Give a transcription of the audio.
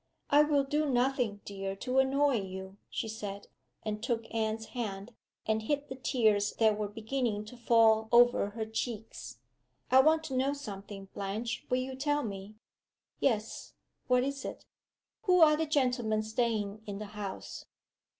"I will do nothing, dear, to annoy you," she said, and took Anne's hand, and hid the tears that were beginning to fall over her cheeks. "I want to know something, Blanche. Will you tell me?" "Yes. What is it?" "Who are the gentlemen staying in the house?"